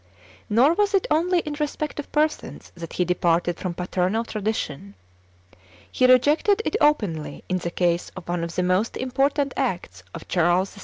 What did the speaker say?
Nor was it only in respect of persons that he departed from paternal tradition; he rejected it openly in the case of one of the most important acts of Charles VII.